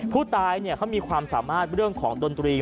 ผู้ตายเขามีความสามารถเรื่องของดนตรี